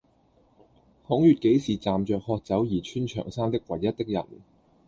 孔乙己是站着喝酒而穿長衫的唯一的人